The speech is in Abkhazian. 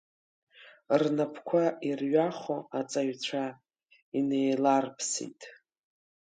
Рнапқәа ирҩахо, аҵаҩцәа инеиларԥсеит…